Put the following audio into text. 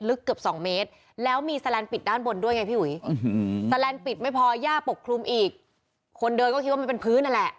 เกือบสองเมตรแล้วมีแสลนดปิดด้านบนด้วยไงพี่อุ๋ยแสลนด์ปิดไม่พอย่าปกคลุมอีกคนเดินก็คิดว่ามันเป็นพื้นนั่นแหละ